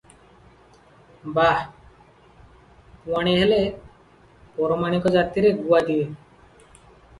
ବାହା, ପୁଆଣି ହେଲେ ପରମାଣିକ ଜାତିରେ ଗୁଆ ଦିଏ ।